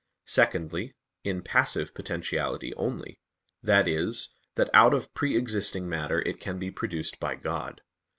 Secondly, in passive potentiality only; that is, that out of pre existing matter it can be produced by God.